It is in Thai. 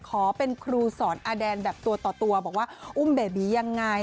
ขอเป็นครูสอนอาแดนแบบตัวต่อตัวบอกว่าอุ้มเบบียังไง